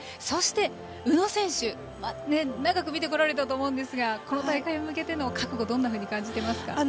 そして宇野選手長く見てこられたと思うんですがこの大会に向けての覚悟をどう感じていますか？